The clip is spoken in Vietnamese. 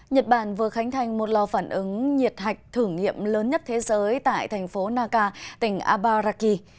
nhật bản vừa khánh thành một lò phản ứng nhiệt hạch thử nghiệm lớn nhất thế giới tại thành phố naka tỉnh abaraki